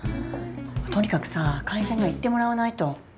とにかくさ会社には行ってもらわないと。